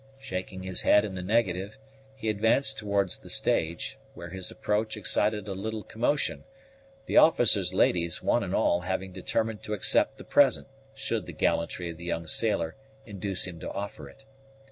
Shaking his head in the negative, he advanced towards the stage, where his approach excited a little commotion, the officers' ladies, one and all, having determined to accept the present, should the gallantry of the young sailor induce him to offer it.